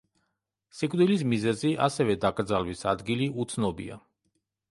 სიკვდილის მიზეზი, ასევე დაკრძალვის ადგილი უცნობია.